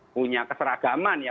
punya keseragaman ya